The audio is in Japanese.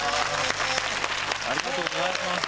ありがとうございます！